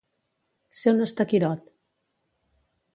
Ser un estaquirot.